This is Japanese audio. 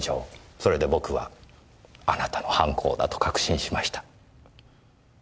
それで僕はあなたの犯行だと確信しました。